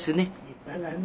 「立派だね」